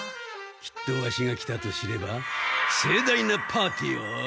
きっとワシが来たと知ればせいだいなパーティーを。